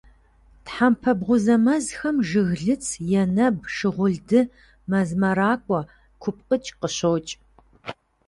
Тхьэмпэ бгъузэ мэзхэм жыглыц, енэб, шыгъулды, мэз мэракӀуэ, купкъыкӀ къыщокӀ.